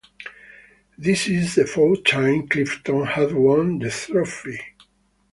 This is the fourth time Clifton have won the trophy.